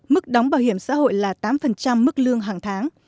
mức đóng bảo hiểm xã hội là tám mức lương hàng tháng